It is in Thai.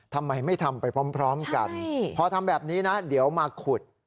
ทำไมไม่ทำไปพร้อมกันพอทำแบบนี้นะเดี๋ยวมาขุด